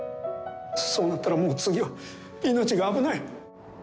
そうなったらもう次は命が危ない。